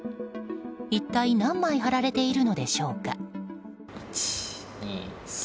一体、何枚貼られているのでしょうか。